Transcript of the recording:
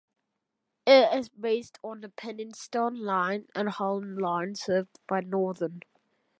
It is based on the Penistone Line and Hallam Line served by Northern.